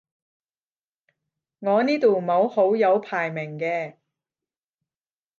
我呢度冇好友排名嘅